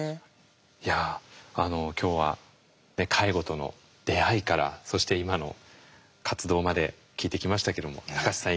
いや今日は介護との出会いからそして今の活動まで聞いてきましたけども高知さん